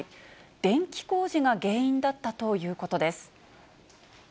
電気工事が原因だったということです。